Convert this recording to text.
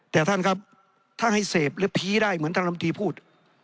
แต่ท่านครับถ้าให้เสพหรือพี้ได้เหมือนท่านลำตีพูด